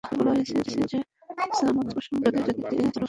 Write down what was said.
পূর্বেই বলা হয়েছে যে, ছামূদ সম্প্রদায় জাতিতে ছিল আরব।